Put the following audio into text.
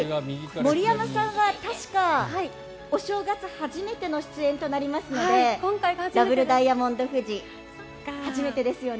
森山さんは確かお正月初めての出演となりますのでダブルダイヤモンド富士初めてですよね。